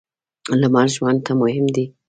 لمر ژوند ته مهم دی.